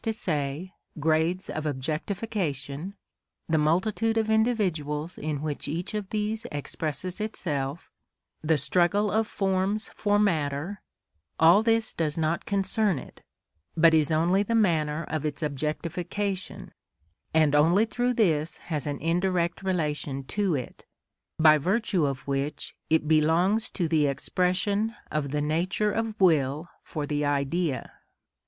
_, grades of objectification, the multitude of individuals in which each of these expresses itself, the struggle of forms for matter,—all this does not concern it, but is only the manner of its objectification, and only through this has an indirect relation to it, by virtue of which it belongs to the expression of the nature of will for the idea.